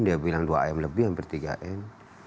dia bilang dua m lebih hampir tiga m